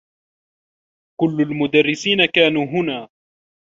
كلّ المدرّسين كانوا هنا.